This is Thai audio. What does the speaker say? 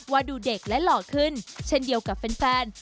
ว่าดูเด็กและหล่อขึ้นเช่นเดียวกับแฟน